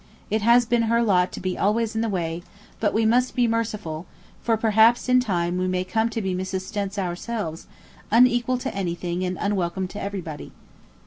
it has been her lot to be always in the way; but we must be merciful, for perhaps in time we may come to be Mrs. Stents ourselves, unequal to anything, and unwelcome to everybody